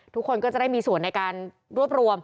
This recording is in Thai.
ทุกคนก็จะได้มีส่วนในการรวบรวม